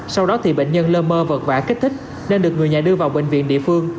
sau đó bệnh nhân lơ mơ vật vả kích thích nên được người nhà đưa vào bệnh viện địa phương